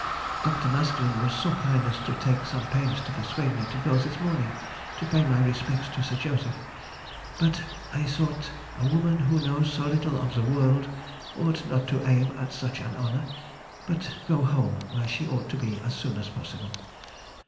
Dr. Maskelyne was so kind as to take some pains to persuade me to go this morning to pay my respects to Sir Joseph, but I thought a woman who knows so little of the world ought not to aim at such an honour, but go home, where she ought to be, as soon as possible.